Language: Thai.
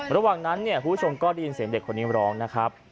ระหว่างนั้นเนี่ยคุณผู้ชมก็ได้ยินเสียงเด็กคนนี้ร้องนะครับ